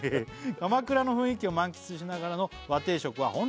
「鎌倉の雰囲気を満喫しながらの和定食は」